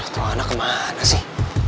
tuh anak kemana sih